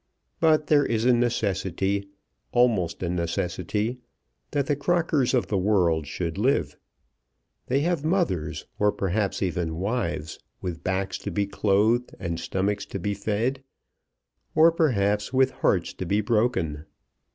But there is a necessity, almost a necessity, that the Crockers of the world should live. They have mothers, or perhaps even wives, with backs to be clothed and stomachs to be fed, or perhaps with hearts to be broken.